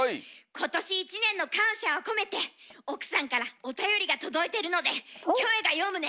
今年１年の感謝を込めて奥さんからおたよりが届いてるのでキョエが読むね！